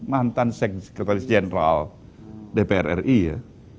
mantan sekretaris jenderal dpr ri ya